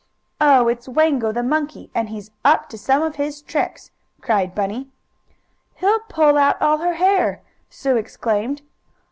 "Oh, it's Wango, the monkey, and he's up to some of his tricks!" cried Bunny. "He'll pull out all her hair!" Sue exclaimed.